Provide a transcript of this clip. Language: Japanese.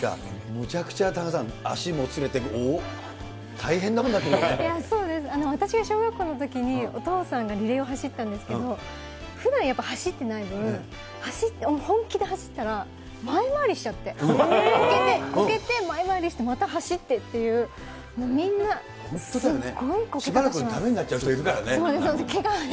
むちゃくちゃ、田中さん、足もつれて、そうです、私は小学校のときに、お父さんがリレーを走ったんですけど、ふだんやっぱり走ってない分、本気で走ったら、前回りしちゃって、こけて、前回りして、また走ってっていう、もうみんな、しばらくだめになっちゃう人そうですよね。